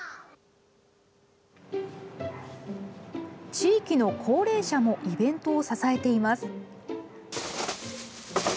地域の高齢者もイベントを支えています。